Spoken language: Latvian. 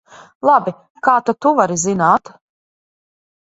Labi, kā tad tu vari zināt?